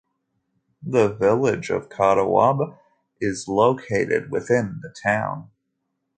The Village of Catawba is located within the town.